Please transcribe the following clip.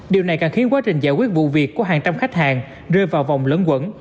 điều này càng khiến quá trình giải quyết vụ việc của hàng trăm khách hàng rơi vào vòng lẫn quẩn